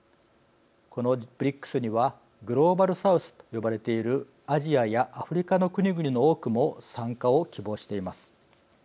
このＢＲＩＣＳにはグローバルサウスと呼ばれているアジアやアフリカの国々の多くも参加を希望しています。